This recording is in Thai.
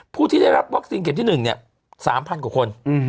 ผู้ที่ได้รับวัคซีนเข็มที่๑๓๐๐กว่าคน